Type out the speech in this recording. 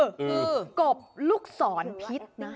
คือกบลูกศรพิษนะ